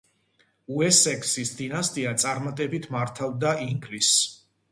უესექსის დინასტია წარმატებით მართავდა ინგლისს.